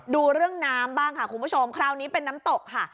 ดูเรื่องน้ำบ้างค่ะคุณผู้ชมคราวนี้เป็นน้ำตกค่ะ